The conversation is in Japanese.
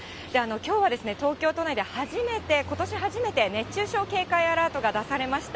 きょうは東京都内で初めて、ことし初めて、熱中症警戒アラートが出されました。